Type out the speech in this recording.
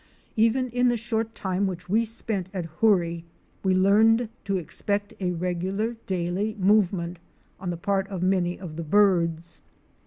Even in the short time which we spent at Hoorie we learned to expect a regular daily movement on the part of many of the birds.